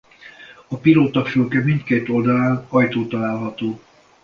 A pilótafülke mindkét oldalán ajtó található.